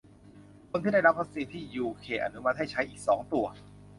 คนที่ได้รับวัคซีนที่ยูเคอนุมัติให้ใช้อีกสองตัว